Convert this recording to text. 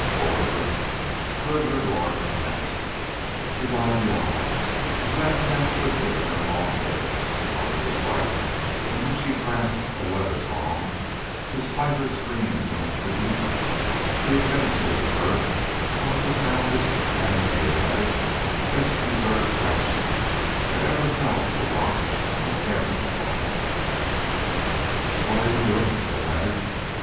Over her stood her lord and master, the god Jâl, his left hand twisted in her long hair, while with his right, in which he grasped a leather thong, despite her screams and entreaties, he administered to her one of the soundest and, be it added, best deserved thrashings that ever fell to the lot of erring woman. "What are you doing?" said Leonard.